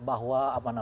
apa pak ade